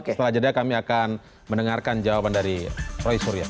setelah jeda kami akan mendengarkan jawaban dari roy suryo